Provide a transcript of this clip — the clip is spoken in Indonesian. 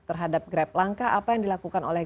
terhadap grab langkah apa yang dilakukan oleh